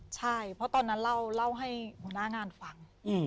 ใช่เพราะตอนนั้นเล่าให้หัวหน้างานฟัง